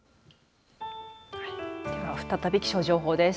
では再び気象情報です。